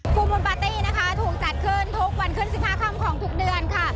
มูลปาร์ตี้นะคะถูกจัดขึ้นทุกวันขึ้น๑๕ค่ำของทุกเดือนค่ะ